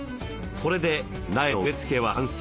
これで苗の植え付けは完成。